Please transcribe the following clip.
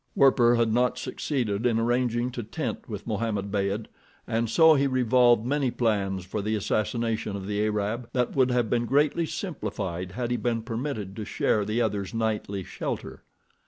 Werper had not succeeded in arranging to tent with Mohammed Beyd, and so he revolved many plans for the assassination of the Arab that would have been greatly simplified had he been permitted to share the other's nightly shelter.